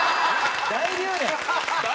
大留年。